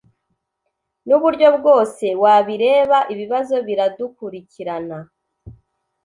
nuburyo bwose wabireba, ibibazo biradukurikirana